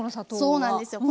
そうなんですよ。